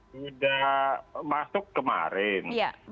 sudah masuk kemarin